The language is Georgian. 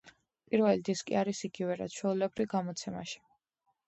პირველი დისკი არის იგივე, რაც ჩვეულებრივ გამოცემაში.